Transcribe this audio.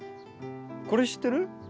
これ知ってる？